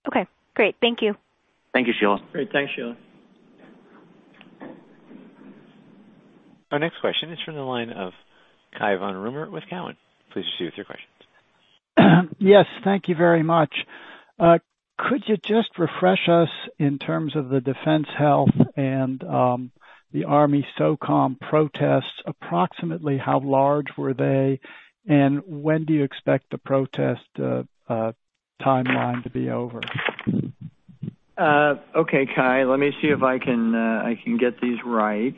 Okay. Great. Thank you. Thank you, Sheila. Great. Thanks, Sheila. Our next question is from the line of Cai von Rumohr with Cowen. Please proceed with your questions. Yes. Thank you very much. Could you just refresh us in terms of the Defense Health and the Army SOCOM protests? Approximately how large were they? When do you expect the protest timeline to be over? Okay, Kai, let me see if I can get these right.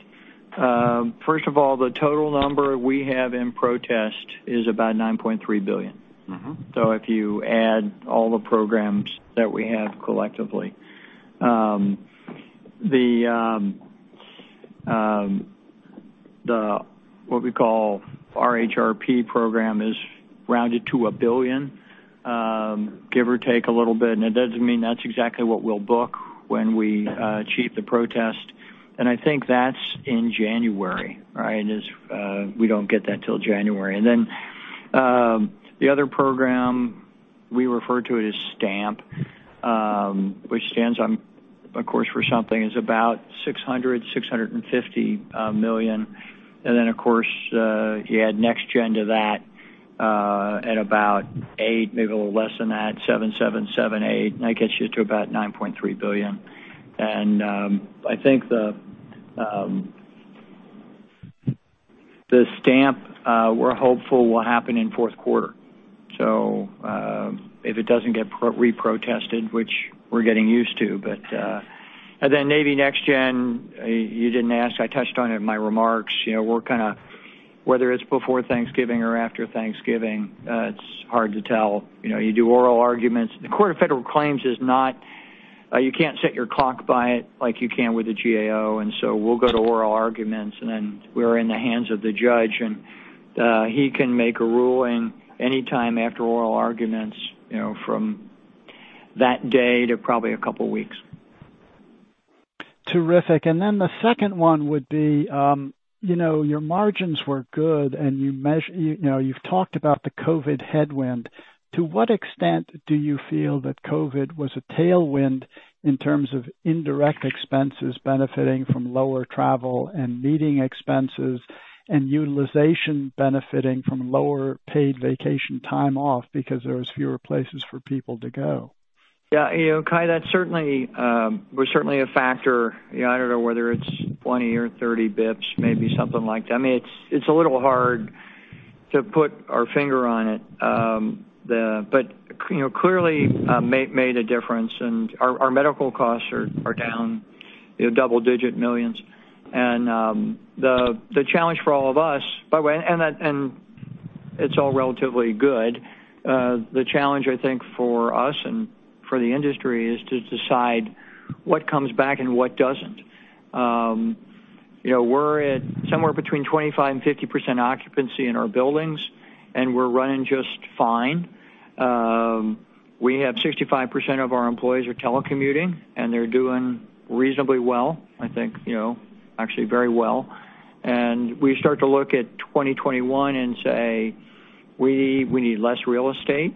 First of all, the total number we have in protest is about $9.3 billion. If you add all the programs that we have collectively, what we call our HRP program is rounded to a billion, give or take a little bit. It doesn't mean that's exactly what we'll book when we achieve the protest. I think that's in January, right, we don't get that till January. The other program, we refer to it as STAMP, which stands on, of course, for something, is about $600 million to 650 million. Of course, you add NextGen to that, at about $800 million, maybe a little less than that, $700 million, $800 million. That gets you to about $9.3 billion. I think the STAMP, we're hopeful will happen in Q4. If it doesn't get reprotested, which we're getting used to, and then maybe NextGen, you didn't ask. I touched on it in my remarks. You know, we're kind of whether it's before Thanksgiving or after Thanksgiving, it's hard to tell. You know, you do oral arguments. The Court of Federal Claims is not, you can't set your clock by it like you can with the GAO. You do oral arguments, and then we're in the hands of the judge. He can make a ruling anytime after oral arguments, you know, from that day to probably a couple of weeks. Terrific. The second one would be, you know, your margins were good, and you measured, you know, you've talked about the COVID headwind. To what extent do you feel that COVID was a tailwind in terms of indirect expenses benefiting from lower travel and meeting expenses and utilization benefiting from lower paid vacation time off because there were fewer places for people to go? Yeah. You know, Kai, that certainly was certainly a factor. You know, I don't know whether it's 20 or 30 basis points, maybe something like that. I mean, it's a little hard to put our finger on it, but, you know, clearly made a difference. And our medical costs are down, you know, double-digit millions. The challenge for all of us, by the way, and it's all relatively good. The challenge, I think, for us and for the industry is to decide what comes back and what doesn't. You know, we're at somewhere between 25% and 50% occupancy in our buildings, and we're running just fine. We have 65% of our employees are telecommuting, and they're doing reasonably well, I think, you know, actually very well. We start to look at 2021 and say, "We need less real estate."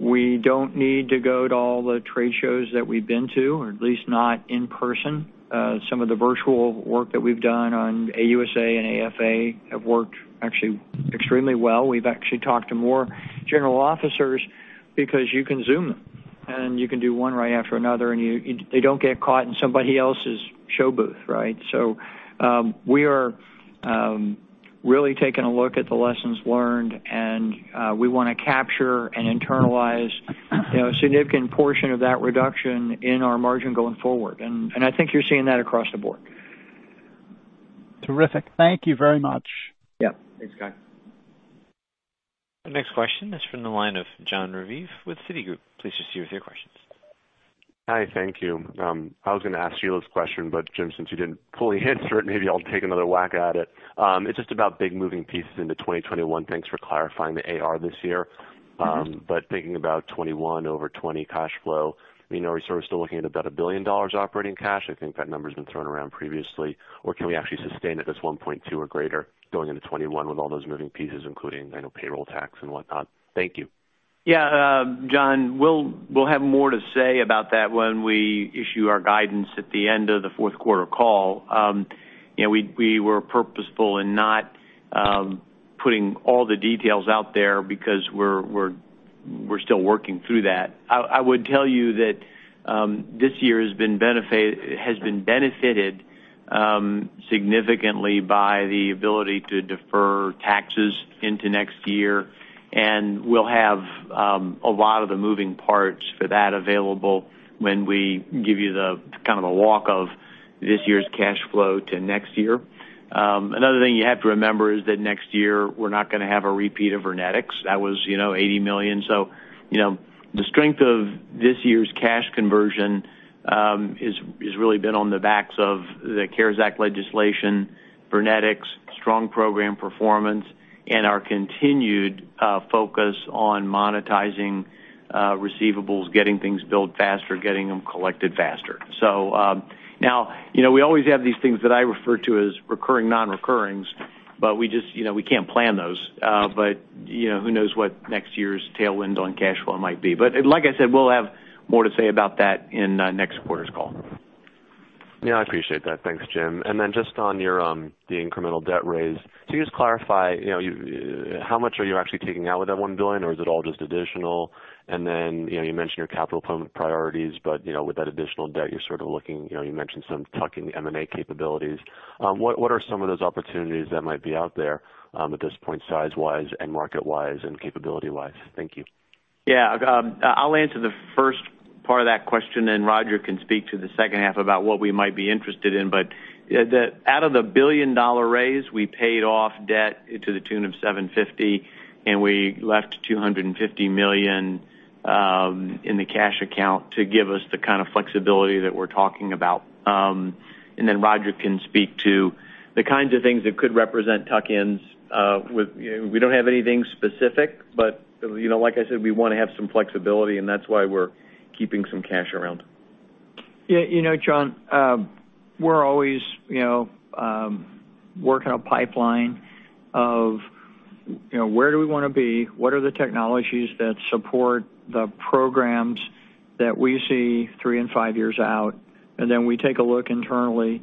We don't need to go to all the trade shows that we've been to, or at least not in person. Some of the virtual work that we've done on AUSA and AFA have worked actually extremely well. We've actually talked to more general officers because you can zoom them, and you can do one right after another, and they don't get caught in somebody else's showbooth, right? We are really taking a look at the lessons learned, and we want to capture and internalize, you know, a significant portion of that reduction in our margin going forward. I think you're seeing that across the board. Terrific. Thank you very much. Yeah. Thanks, Kai. Our next question is from the line of Jon Raviv with Citigroup. Please proceed with your questions. Hi. Thank you. I was going to ask Sheila's question, but Jim, since you did not fully answer it, maybe I will take another whack at it. It is just about big moving pieces into 2021. Thanks for clarifying the AR this year. But thinking about 2021 over 2020 cash flow, you know, we are sort of still looking at about $1 billion operating cash. I think that number has been thrown around previously. Or can we actually sustain it as $1.2 billion or greater going into 2021 with all those moving pieces, including, I know, payroll tax and whatnot? Thank you. Yeah. John, we'll have more to say about that when we issue our guidance at the end of the Q4 call. You know, we were purposeful in not putting all the details out there because we're still working through that. I would tell you that this year has been benefited significantly by the ability to defer taxes into next year. And we'll have a lot of the moving parts for that available when we give you the kind of a walk of this year's cash flow to next year. Another thing you have to remember is that next year we're not going to have a repeat of VirnetX. That was, you know, $80 million. You know, the strength of this year's cash conversion has really been on the backs of the CARES Act legislation, VirnetX, strong program performance, and our continued focus on monetizing receivables, getting things billed faster, getting them collected faster. You know, we always have these things that I refer to as recurring non-recurrings, but we just, you know, we can't plan those. You know, who knows what next year's tailwind on cash flow might be. Like I said, we'll have more to say about that in next quarter's call. Yeah. I appreciate that. Thanks, Jim. And then just on your, the incremental debt raise, can you just clarify, you know, how much are you actually taking out with that $1 billion, or is it all just additional? You mentioned your capital plan priorities, but, you know, with that additional debt, you're sort of looking, you know, you mentioned some tuck-in M&A capabilities. What are some of those opportunities that might be out there at this point, size-wise and market-wise and capability-wise? Thank you. Yeah. I'll answer the first part of that question, and Roger can speak to the second half about what we might be interested in. Out of the billion-dollar raise, we paid off debt to the tune of $750 million, and we left $250 million in the cash account to give us the kind of flexibility that we're talking about. Roger can speak to the kinds of things that could represent tuck-ins, with, you know, we don't have anything specific, but, you know, like I said, we want to have some flexibility, and that's why we're keeping some cash around. Yeah. You know, John, we're always, you know, working a pipeline of, you know, where do we want to be? What are the technologies that support the programs that we see three and five years out? Then we take a look internally,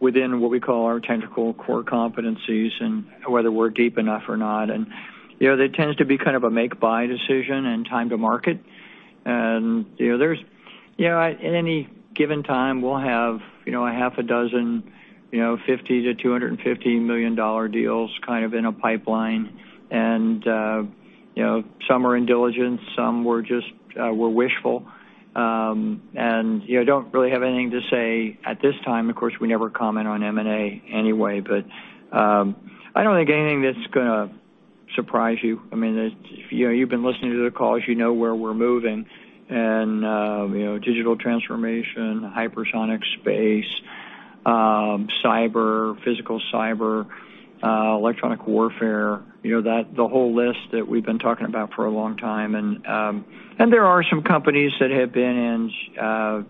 within what we call our technical core competencies and whether we're deep enough or not. You know, there tends to be kind of a make-buy decision and time to market. You know, at any given time, we'll have, you know, a half a dozen, you know, $50 million to 250 million deals kind of in a pipeline. You know, some are indulgent, some were just, were wishful. You know, don't really have anything to say at this time. Of course, we never comment on M&A anyway, but I don't think anything that's going to surprise you. I mean, it's, you know, you've been listening to the calls. You know where we're moving. You know, digital transformation, hypersonic space, cyber, physical cyber, electronic warfare, you know, that the whole list that we've been talking about for a long time. There are some companies that have been in,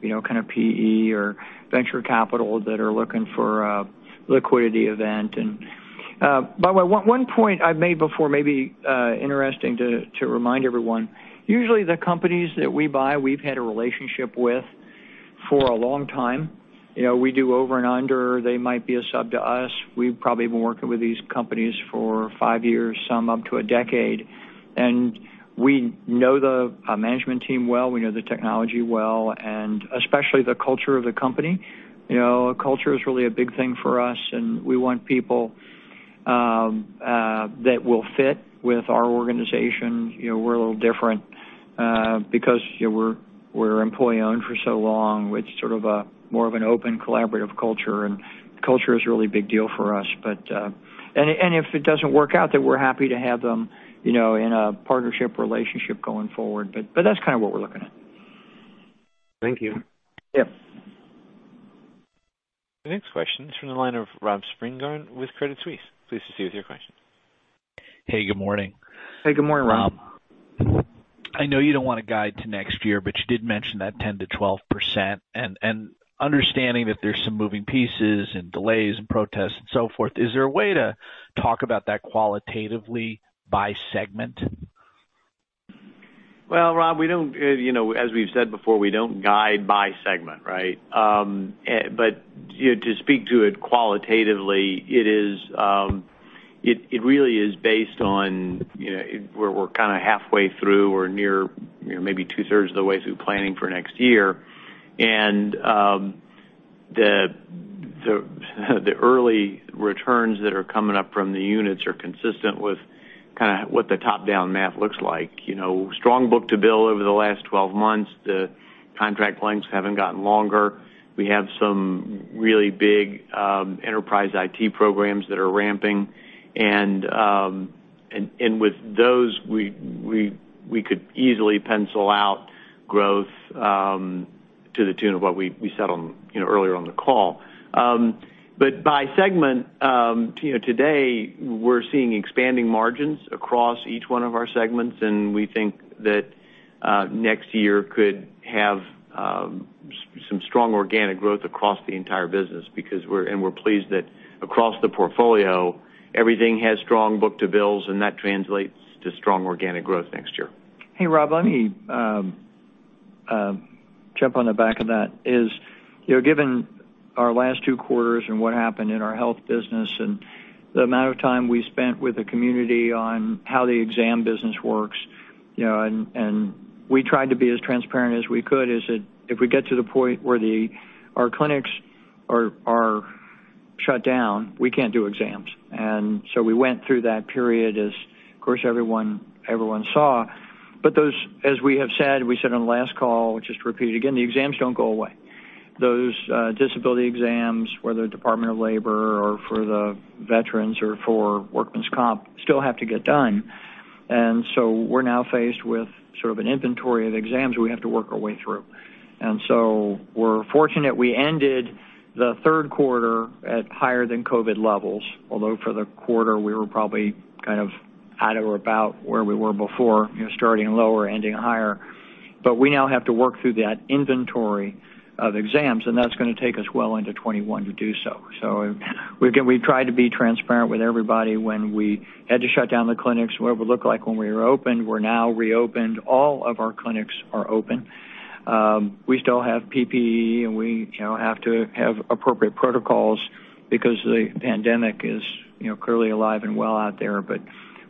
you know, kind of PE or venture capital that are looking for a liquidity event. By the way, one point I've made before may be interesting to remind everyone. Usually, the companies that we buy, we've had a relationship with for a long time. You know, we do over and under. They might be a sub to us. We've probably been working with these companies for five years, some up to a decade. We know the management team well. We know the technology well, and especially the culture of the company. You know, culture is really a big thing for us, and we want people that will fit with our organization. You know, we're a little different, because, you know, we're employee-owned for so long. It's sort of a more of an open collaborative culture, and culture is a really big deal for us. And if it doesn't work out, then we're happy to have them, you know, in a partnership relationship going forward. That's kind of what we're looking at. Thank you. Yeah. Our next question is from the line of Rob Spingarn with Credit Suisse. Please proceed with your question. Hey, good morning. Hey, good morning, Rob. I know you don't want to guide to next year, but you did mention that 10% to 12%. And understanding that there's some moving pieces and delays and protests and so forth, is there a way to talk about that qualitatively by segment? Rob, we don't, you know, as we've said before, we don't guide by segment, right? You know, to speak to it qualitatively, it really is based on, you know, we're kind of halfway through or near, you know, maybe 2/3s of the way through planning for next year. The early returns that are coming up from the units are consistent with kind of what the top-down math looks like. You know, strong book-to-bill over the last 12 months. The contract lengths haven't gotten longer. We have some really big, enterprise IT programs that are ramping. And with those, we could easily pencil out growth, to the tune of what we said on, you know, earlier on the call. By segment, you know, today, we're seeing expanding margins across each one of our segments. We think that next year could have some strong organic growth across the entire business because we're, and we're pleased that across the portfolio, everything has strong book-to-bills, and that translates to strong organic growth next year. Hey, Rob, let me jump on the back of that. You know, given our last two quarters and what happened in our health business and the amount of time we spent with the community on how the exam business works, you know, and we tried to be as transparent as we could, is that if we get to the point where our clinics are shut down, we can't do exams. We went through that period, as, of course, everyone saw. As we have said, we said on the last call, just to repeat it again, the exams do not go away. Those disability exams, whether Department of Labor or for the veterans or for workmen's comp, still have to get done. We are now faced with sort of an inventory of exams we have to work our way through. We're fortunate we ended the Q3 at higher than COVID levels, although for the quarter, we were probably kind of at or about where we were before, you know, starting lower, ending higher. We now have to work through that inventory of exams, and that's going to take us well into 2021 to do so. We've tried to be transparent with everybody. When we had to shut down the clinics, what it would look like when we were open, we're now reopened. All of our clinics are open. We still have PPE, and we, you know, have to have appropriate protocols because the pandemic is, you know, clearly alive and well out there.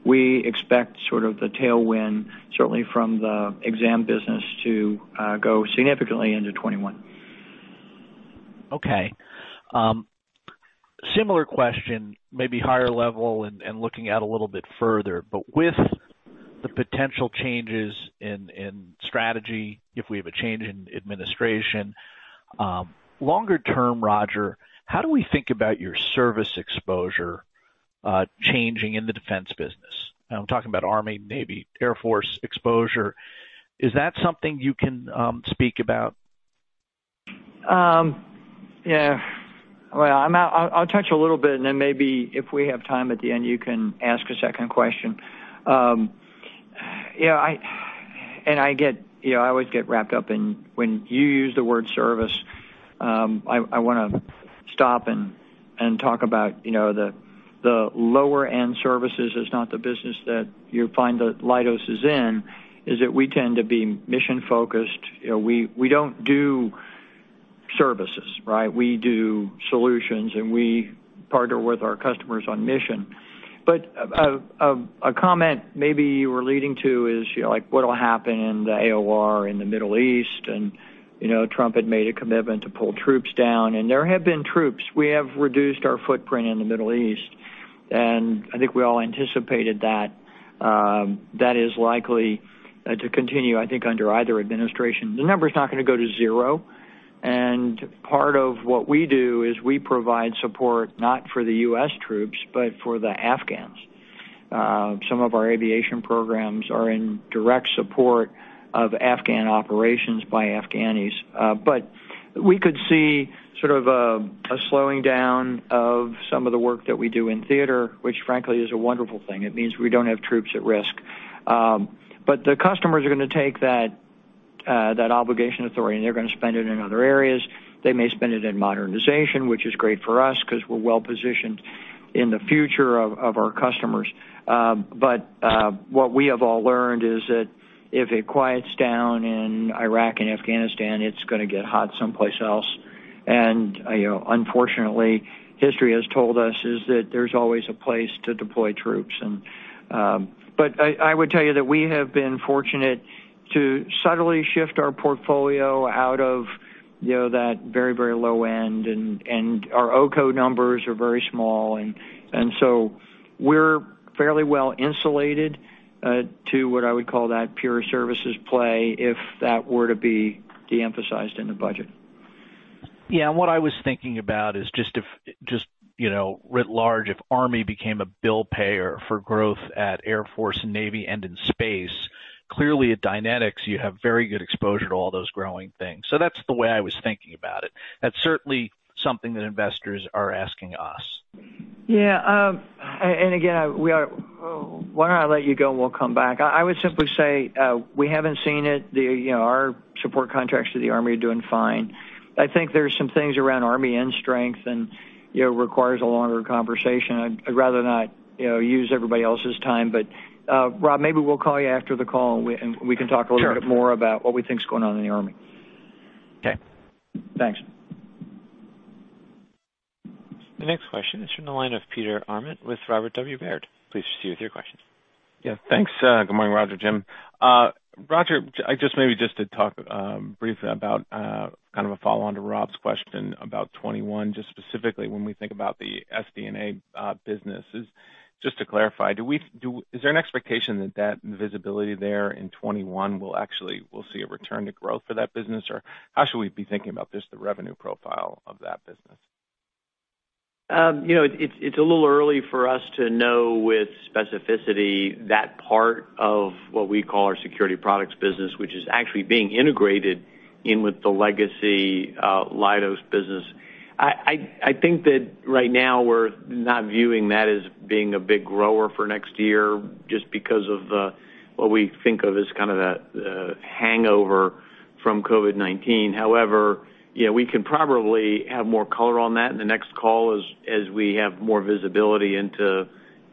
We expect sort of the tailwind, certainly from the exam business, to go significantly into 2021. Okay. Similar question, maybe higher level and looking at a little bit further, but with the potential changes in strategy, if we have a change in administration, longer term, Roger, how do we think about your service exposure, changing in the defense business? I'm talking about Army, Navy, Air Force exposure. Is that something you can speak about? Yeah. I'll touch a little bit, and then maybe if we have time at the end, you can ask a second question. You know, I get, you know, I always get wrapped up in when you use the word service, I want to stop and talk about, you know, the lower-end services is not the business that you find that Leidos is in, is that we tend to be mission-focused. You know, we don't do services, right? We do solutions, and we partner with our customers on mission. A comment maybe you were leading to is, you know, like, what'll happen in the AOR in the Middle East? You know, Trump had made a commitment to pull troops down, and there have been troops. We have reduced our footprint in the Middle East. I think we all anticipated that is likely to continue, I think, under either administration. The number's not going to go to zero. Part of what we do is we provide support not for the U.S. troops, but for the Afghans. Some of our aviation programs are in direct support of Afghan operations by Afghanis. We could see sort of a slowing down of some of the work that we do in theater, which frankly is a wonderful thing. It means we don't have troops at risk. The customers are going to take that obligation authority, and they're going to spend it in other areas. They may spend it in modernization, which is great for us because we're well-positioned in the future of our customers. What we have all learned is that if it quiets down in Iraq and Afghanistan, it's going to get hot someplace else. You know, unfortunately, history has told us that there's always a place to deploy troops. I would tell you that we have been fortunate to subtly shift our portfolio out of that very, very low end. Our OCO numbers are very small, and so we're fairly well insulated to what I would call that pure services play if that were to be de-emphasized in the budget. Yeah. What I was thinking about is just if, just, you know, writ large, if Army became a bill payer for growth at Air Force and Navy and in space, clearly at Dynetics, you have very good exposure to all those growing things. That is the way I was thinking about it. That is certainly something that investors are asking us. Yeah. And again, why do not I let you go, and we will come back. I would simply say, we have not seen it. You know, our support contracts to the Army are doing fine. I think there are some things around Army end strength and, you know, requires a longer conversation. I would rather not, you know, use everybody else's time. Rob, maybe we will call you after the call, and we can talk a little bit more about what we think is going on in the Army. Okay. Thanks. The next question is from the line of Peter Arment with Robert Baird. Please proceed with your questions. Yeah. Thanks. Good morning, Roger, Jim. Roger, I just maybe just to talk briefly about, kind of a follow-on to Rob's question about 2021, just specifically when we think about the SD&A business, is just to clarify, do we, do is there an expectation that that visibility there in 2021 will actually, we'll see a return to growth for that business? Or how should we be thinking about just the revenue profile of that business? You know, it's a little early for us to know with specificity that part of what we call our security products business, which is actually being integrated in with the legacy Leidos business. I think that right now we're not viewing that as being a big grower for next year just because of what we think of as kind of the hangover from COVID-19. However, you know, we can probably have more color on that in the next call as we have more visibility into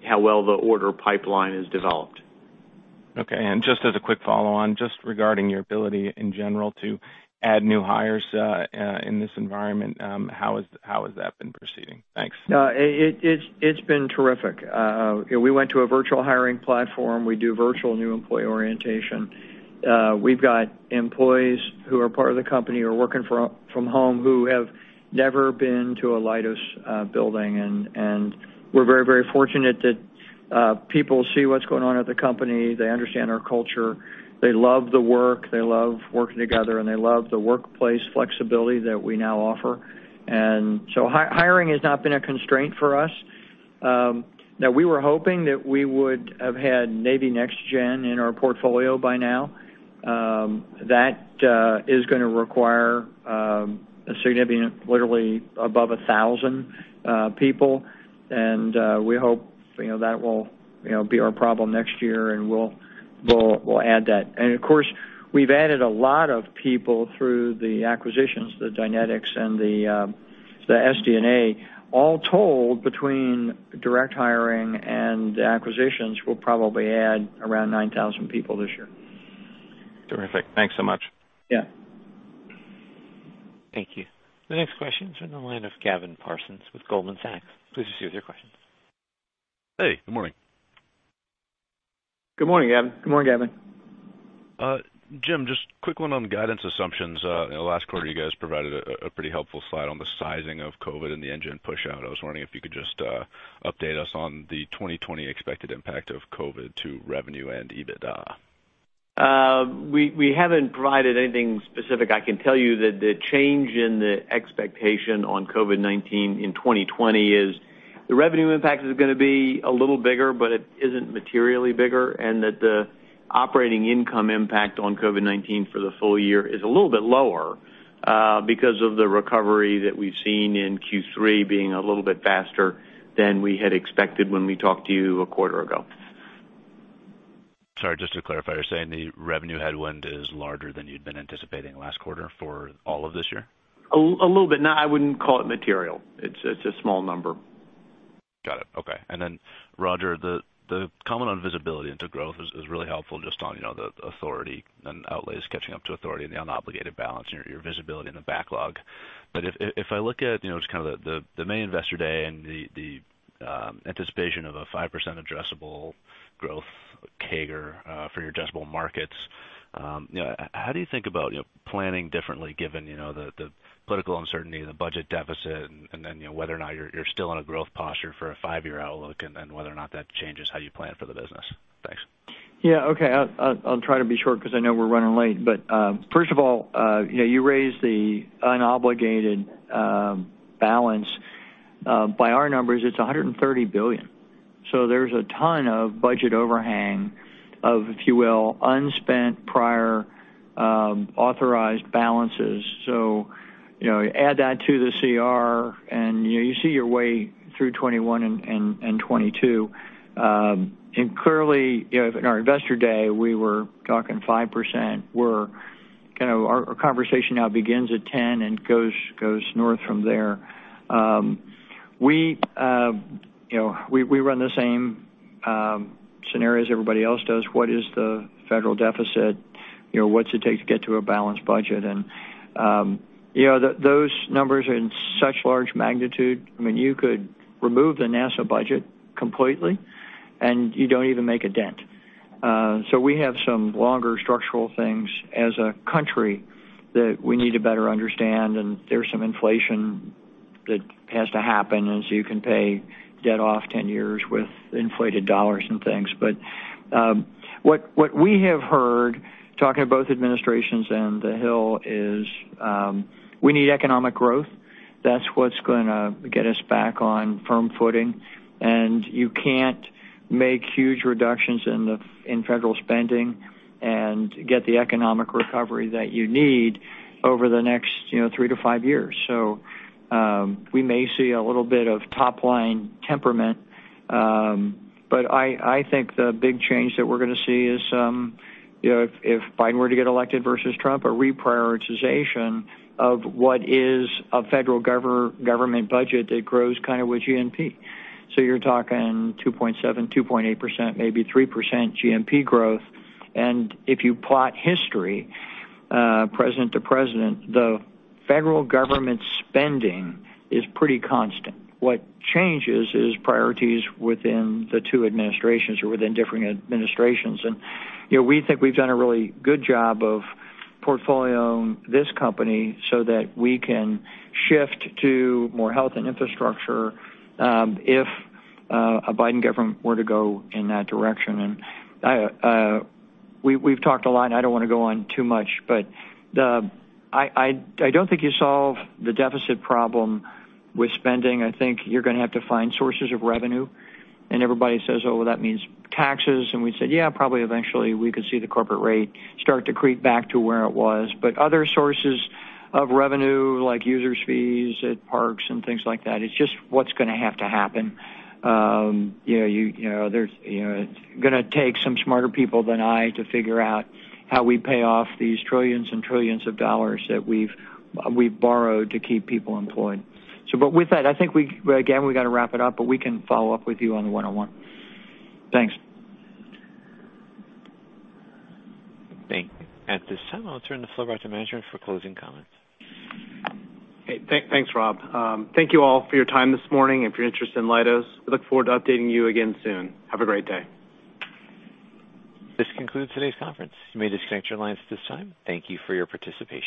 how well the order pipeline is developed. Okay. Just as a quick follow-on, just regarding your ability in general to add new hires, in this environment, how has that been proceeding? Thanks. No, it's been terrific. You know, we went to a virtual hiring platform. We do virtual new employee orientation. We've got employees who are part of the company who are working from home who have never been to a Leidos building. We're very, very fortunate that people see what's going on at the company. They understand our culture. They love the work. They love working together, and they love the workplace flexibility that we now offer. Hiring has not been a constraint for us. Now we were hoping that we would have had Navy NextGen in our portfolio by now. That is going to require a significant, literally above 1,000 people. We hope that will be our problem next year, and we'll add that. Of course, we've added a lot of people through the acquisitions, the Dynetics and the SD&A. All told, between direct hiring and acquisitions, we'll probably add around 9,000 people this year. Terrific. Thanks so much. Yeah. Thank you. The next question is from the line of Gavin Parsons with Goldman Sachs. Please proceed with your questions. Hey. Good morning. Good morning, Gavin. Good morning, Gavin. Jim, just quick one on guidance assumptions. In the last quarter, you guys provided a pretty helpful slide on the sizing of COVID and the engine push-out. I was wondering if you could just update us on the 2020 expected impact of COVID to revenue and EBITDA. We haven't provided anything specific. I can tell you that the change in the expectation on COVID-19 in 2020 is the revenue impact is going to be a little bigger, but it isn't materially bigger, and that the operating income impact on COVID-19 for the full year is a little bit lower, because of the recovery that we've seen in Q3 being a little bit faster than we had expected when we talked to you a quarter ago. Sorry, just to clarify, you're saying the revenue headwind is larger than you'd been anticipating last quarter for all of this year? A little bit. No, I wouldn't call it material. It's a small number. Got it. Okay. Roger, the comment on visibility into growth is really helpful just on, you know, the authority and outlays catching up to authority and the unobligated balance and your visibility in the backlog. If I look at, you know, just kind of the main investor day and the anticipation of a 5% addressable growth CAGR for your addressable markets, you know, how do you think about, you know, planning differently given, you know, the political uncertainty, the budget deficit, and then, you know, whether or not you're still in a growth posture for a five-year outlook and whether or not that changes how you plan for the business? Thanks. Yeah. Okay. I'll try to be short because I know we're running late. First of all, you know, you raised the unobligated balance. By our numbers, it's $130 billion. There is a ton of budget overhang, if you will, unspent prior authorized balances. You know, add that to the CR, and you see your way through 2021 and 2022. Clearly, you know, in our investor day, we were talking 5%. We're kind of, our conversation now begins at 10% and goes north from there. We run the same scenarios everybody else does. What is the federal deficit? You know, what's it take to get to a balanced budget? Those numbers are in such large magnitude, I mean, you could remove the NASA budget completely, and you don't even make a dent. We have some longer structural things as a country that we need to better understand, and there's some inflation that has to happen as you can pay debt off 10 years with inflated dollars and things. What we have heard talking to both administrations and the Hill is, we need economic growth. That's what's going to get us back on firm footing. You can't make huge reductions in federal spending and get the economic recovery that you need over the next, you know, three to five years. We may see a little bit of top-line temperament. I think the big change that we're going to see is, you know, if Biden were to get elected versus Trump, a reprioritization of what is a federal government budget that grows kind of with GNP. You're talking 2.7% to 2.8%, maybe 3% GNP growth. If you plot history, president to president, the federal government spending is pretty constant. What changes is priorities within the two administrations or within different administrations. You know, we think we've done a really good job of portfolioing this company so that we can shift to more health and infrastructure, if a Biden government were to go in that direction. We've talked a lot, and I don't want to go on too much, but I don't think you solve the deficit problem with spending. I think you're going to have to find sources of revenue. Everybody says, "Oh, well, that means taxes." We said, "Yeah, probably eventually we could see the corporate rate start to creep back to where it was." Other sources of revenue, like users' fees at parks and things like that, it's just what's going to have to happen. You know, you know, there's, you know, it's going to take some smarter people than I to figure out how we pay off these trillions and trillions of dollars that we've borrowed to keep people employed. With that, I think we, again, we got to wrap it up, but we can follow up with you on the one-on-one. Thanks. Thank you. At this time, I'll turn the floor back to management for closing comments. Okay. Thanks, Rob. Thank you all for your time this morning. If you're interested in Leidos, we look forward to updating you again soon. Have a great day. This concludes today's conference. You may disconnect your lines at this time. Thank you for your participation.